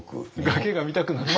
崖が見たくなった？